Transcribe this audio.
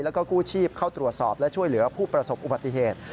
แล้วก็กู้ชีพเข้าตรวจสอบและช่วยเหลือผู้ประสบอุบัติเหตุ